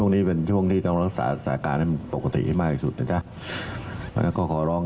ในทดลองด้วยที่เป็นมีกรหุ่นห่วงก็ปล่อง